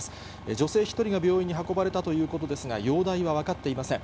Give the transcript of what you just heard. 女性１人が病院に運ばれたということですが、容体は分かっていません。